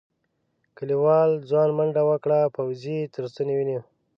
کليوال ځوان منډه وکړه پوځي یې تر ستوني ونيو.